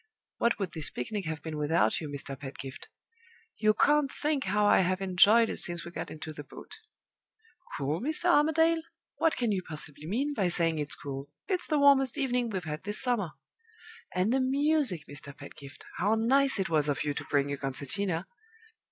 What would this picnic have been without you, Mr. Pedgift; you can't think how I have enjoyed it since we got into the boat. Cool, Mr. Armadale? What can you possibly mean by saying it's cool; it's the warmest evening we've had this summer. And the music, Mr. Pedgift; how nice it was of you to bring your concertina!